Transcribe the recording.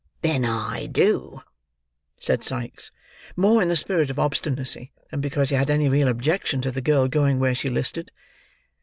"Then I do," said Sikes, more in the spirit of obstinacy than because he had any real objection to the girl going where she listed.